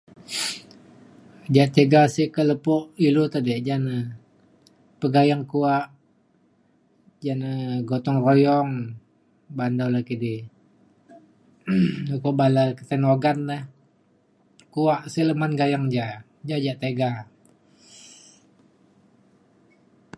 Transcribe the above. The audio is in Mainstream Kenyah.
Ya tiga sik ke lepo ilu ti ja na pegayeng kuak, ya na gotong royong ban dau ilu kidi, lo pak la tai no'gan na kuak silaman gayeng ji'ik, ya yak tiga